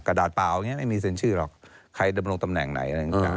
กระดาษเปล่าไม่มีเซ็นชื่อหรอกใครจะมาลงตำแหน่งไหน